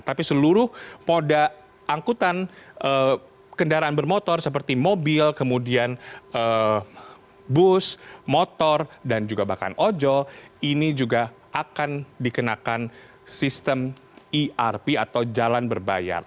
tapi seluruh moda angkutan kendaraan bermotor seperti mobil kemudian bus motor dan juga bahkan ojol ini juga akan dikenakan sistem erp atau jalan berbayar